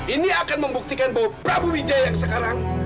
ini akan membuktikan bahwa prabu wijaya sekarang